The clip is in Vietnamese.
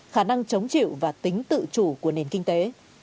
khả năng chống chịu và tính tự chủ của nền kinh tế